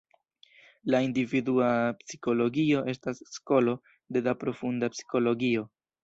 La individua psikologio estas skolo de da profunda psikologio.